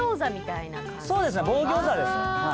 そうですね棒餃子ですああ